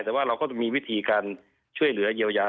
แต่ว่าเราก็จะมีวิธีการช่วยเหลือเยียวยา